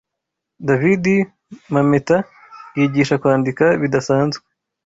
Davidi Mameta Yigisha Kwandika Bidasanzwe